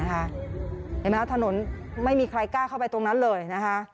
เห็นไหมครับถนนไม่มีใครกล้าเข้าไปตรงนั้นเลยนะคะ